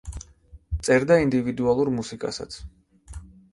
წერდა ინდივიდუალურ მუსიკასაც.